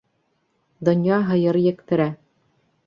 Донъя һыйыр ектерә.